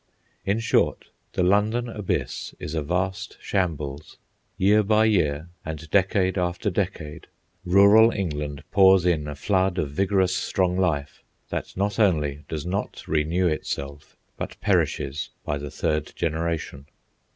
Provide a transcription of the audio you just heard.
In short, the London Abyss is a vast shambles. Year by year, and decade after decade, rural England pours in a flood of vigorous strong life, that not only does not renew itself, but perishes by the third generation.